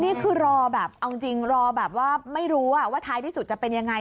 นี่คือรอแบบเอาจริงรอแบบว่าไม่รู้ว่าท้ายที่สุดจะเป็นยังไง